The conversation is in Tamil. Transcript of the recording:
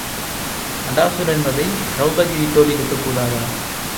சடாசுரன் வதை திரெளபதி வீட்டோடு இருக்கக்கூடாதா?